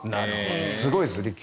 すごいです、立教。